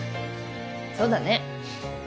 そうだね。